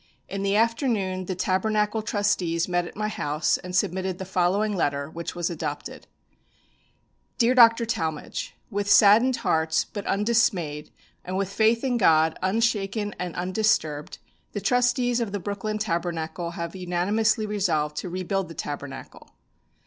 In the afternoon the Tabernacle trustees met at my house and submitted the following letter, which was adopted: "DEAR DR. TALMAGE. With saddened hearts, but undismayed, and with faith in God unshaken and undisturbed, the trustees of the Brooklyn Tabernacle have unanimously resolved to rebuild the Tabernacle.